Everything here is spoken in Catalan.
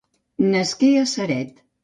Nasqué a Ceret.